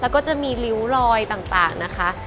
ก็จะมีริ้วรอยต่างนะคะ